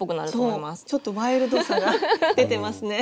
そうちょっとワイルドさが出てますね。